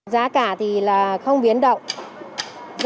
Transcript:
giá cả thì là không biến động